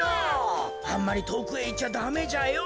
あんまりとおくへいっちゃダメじゃよ。